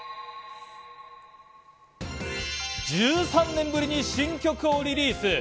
１３年ぶりに新曲をリリース。